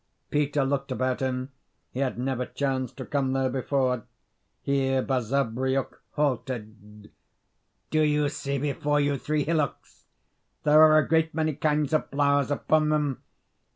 Peter looked about him: he had never chanced to come there before. Here Basavriuk halted. "Do you see before you three hillocks? There are a great many kinds of flowers upon them.